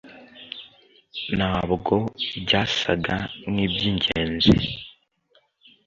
ntabwo byasaga nkibyingenzi